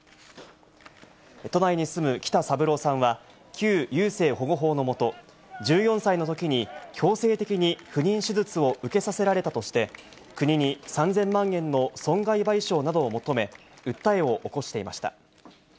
都内に住む北三郎さんは、旧優生保護法の下、１４歳のときに強制的に不妊手術を受けさせられたとして、国に３０００万円の損害賠償などを求め、訴えを起こしていました。